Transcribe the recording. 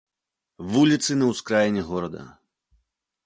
Вуліцы на ўскраіне горада.